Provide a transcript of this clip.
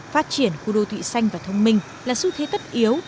phát triển khu đô thị xanh và thông minh là xu thế tất yếu